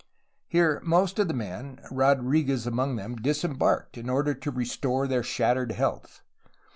Here most of the men, Rodriguez among them, disembarked in order to restore their shattered health.